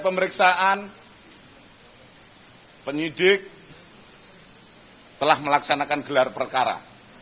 pemeriksaan penyidik telah melaksanakan gelar perkara